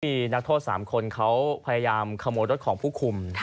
นักโทษ๓คนเขาพยายามขโมยรถของผู้คุม